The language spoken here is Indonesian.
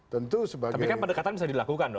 tentu sebagai tapi kan pendekatan bisa dilakukan